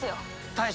大将。